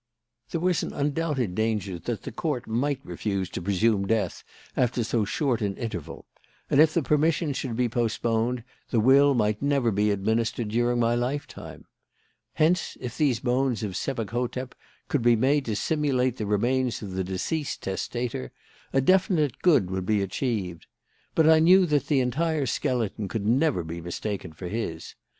"There was an undoubted danger that the Court might refuse to presume death after so short an interval; and if the permission should be postponed, the will might never be administered during my lifetime. Hence, if these bones of Sebek hotep could be made to simulate the remains of the deceased testator, a definite good would be achieved. But I knew that the entire skeleton could never be mistaken for his.